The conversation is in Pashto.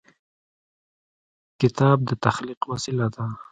کتاب د تخلیق وسیله ده.